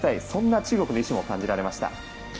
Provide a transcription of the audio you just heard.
そんな中国の意思も感じられました。